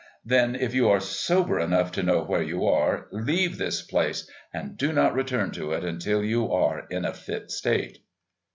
"Then if you are sober enough to know where you are, leave this place and do not return to it until you are in a fit state."